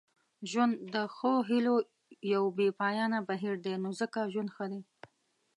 ژوند د ښو هیلو یو بې پایانه بهیر دی نو ځکه ژوند ښه دی.